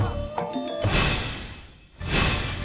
amanah gerhasa atom